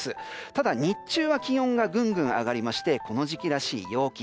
ただ、日中は気温がぐんぐん上がりこの時期らしい陽気。